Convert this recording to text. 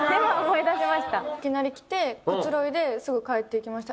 いきなり来てくつろいですぐ帰っていきました。